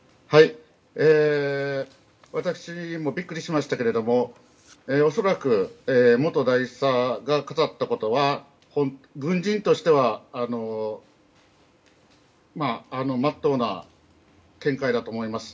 私もビックリしましたけれども恐らく、元大佐が語ったことは軍人としては真っ当な見解だと思います。